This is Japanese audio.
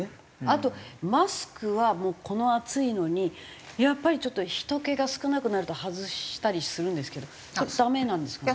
あとマスクはこの暑いのにやっぱりちょっと人気が少なくなると外したりするんですけどそれダメなんですか？